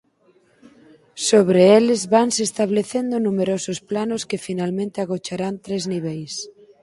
Sobre eles vanse establecendo numerosos planos que finalmente agocharán tres niveis.